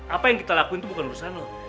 apa yang kita lakuin itu bukan urusan lo